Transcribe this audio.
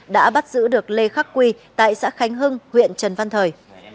đã bắt giữ được lê khắc quy tại xã khánh hưng huyện trần văn thời